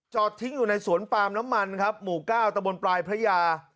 ทิ้งอยู่ในสวนปามน้ำมันครับหมู่เก้าตะบนปลายพระยา